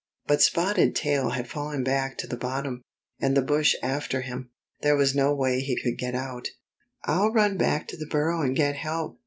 But Spotted Tail had fallen back to the bottom, and the bush after him. There was no way he could get out. "I'll run back to the burrow and get help!"